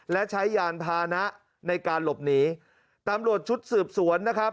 และใช้ยานพานะในการหลบหนีตำรวจชุดสืบสวนนะครับ